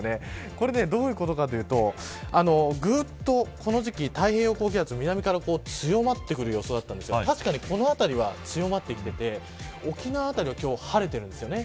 これ、どういうことかというとぐっと、この時期、太平洋高気圧南から強まってくる予想だったんですが確かにこの辺りは強まってきてて沖縄あたりは今日、晴れてるんですよね。